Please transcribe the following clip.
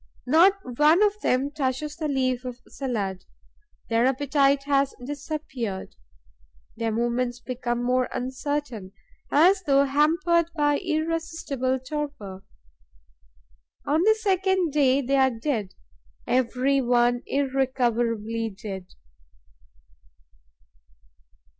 Not one of them touches the leaf of salad; their appetite has disappeared. Their movements become more uncertain, as though hampered by irresistible torpor. On the second day, they are dead, every one irrecoverably dead.